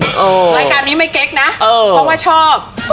รายการนี้ไม่เก๊กนะเพราะว่าชอบ